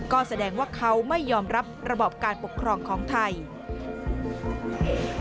ก็แสดงว่าเขาไม่ยอมรับระบอบการปกครองของไทย